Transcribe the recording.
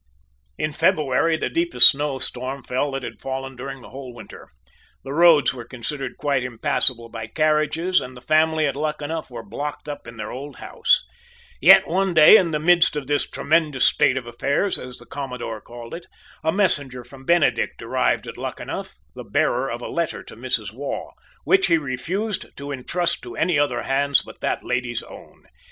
In February the deepest snow storm fell that had fallen during the whole winter. The roads were considered quite impassable by carriages, and the family at Luckenough were blocked up in their old house. Yet one day, in the midst of this "tremendous state of affairs," as the commodore called it, a messenger from Benedict arrived at Luckenough, the bearer of a letter to Mrs. Waugh, which he refused to intrust to any other hands but that lady's own.